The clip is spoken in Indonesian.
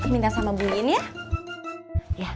minta sama bu ini ya